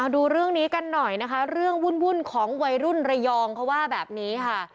ดูเรื่องนี้กันหน่อยนะคะเรื่องวุ่นของวัยรุ่นระยองเขาว่าแบบนี้ค่ะ